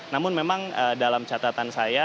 namun memang dalam catatan saya